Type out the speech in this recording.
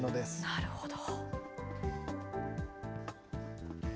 なるほど。